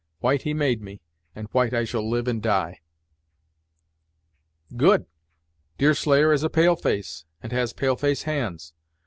White he made me, and white I shall live and die." "Good! Deerslayer is a pale face, and has pale face hands.